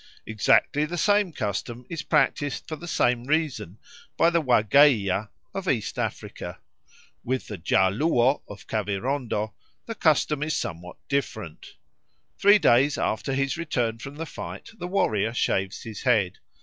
Exactly the same custom is practised for the same reason by the Wageia of East Africa. With the Ja Luo of Kavirondo the custom is somewhat different. Three days after his return from the fight the warrior shaves his head.